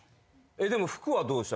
でも福はどうしたら。